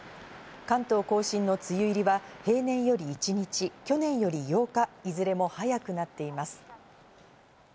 関東甲信の梅雨入りは平年より１日、去年より８日、いずれも早くなっています。